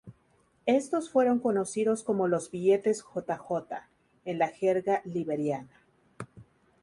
Estos fueron conocidos como los billetes "J. J." en la jerga liberiana.